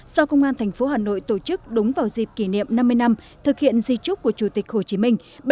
do công an thành phố hà nội tổ chức đúng vào dịp kỷ niệm năm mươi năm thực hiện di trúc của chủ tịch hồ chí minh